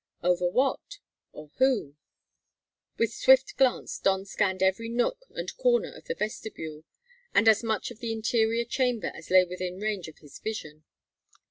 Over what or whom? With swift glance Don scanned every nook and corner of the vestibule, and as much of the interior chamber as lay within range of his vision.